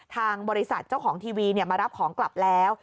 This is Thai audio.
ทางบริษัทเจ้าของทีวีมารับของกลับแล้ว